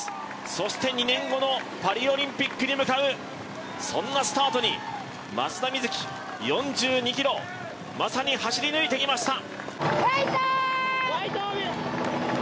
そして２年後のパリオリンピックに向かう、そんなスタートに松田瑞生４２ｋｍ、まさに走り抜いてきました。